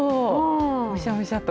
むしゃむしゃと。